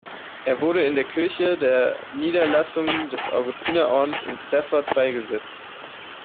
Er wurde in der Kirche der Niederlassung des Augustinerordens in Stafford beigesetzt.